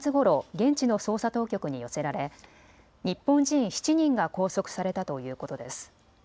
現地の捜査当局に寄せられ日本人７人が拘束されたということです。